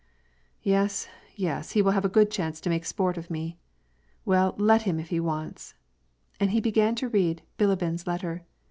Yes, yes ; he will have a good chance to make sport of me ; well let him if he wants "— And he began to read Bilibin's letter.